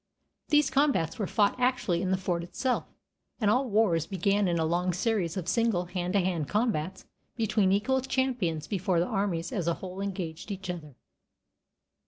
These combats were fought actually in the ford itself, and all wars began in a long series of single hand to hand combats between equal champions before the armies as a whole engaged each other.